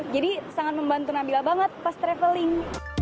jadi sangat membantu nabila banget pas traveling